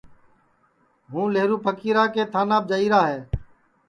ہُوں لیہرو پھکیرا کے تھاناپ جائییرا ہے